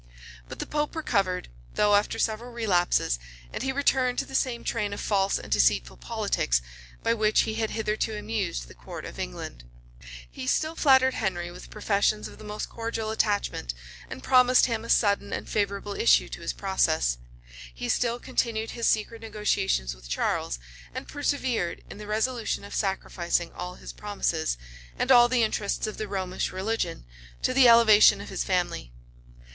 But the pope recovered, though after several relapses; and he returned to the same train of false and deceitful politics, by which he had hitherto amused the court of England. Be still flattered Henry with professions of the most cordial attachment, and promised him a sudden and favorable issue to his process: he still continued his secret negotiations with Charles, and persevered in the resolution of sacrificing all his promises, and all the interests of the Romish religion, to the elevation of his family.